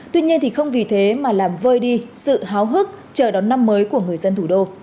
tuy nhiên không vì thế mà làm vơi đi sự háo hức chờ đón năm mới của người dân thủ đô